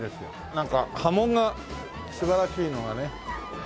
なんか刃文が素晴らしいのがね。